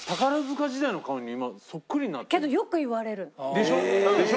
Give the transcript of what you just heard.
けどよく言われる。でしょ？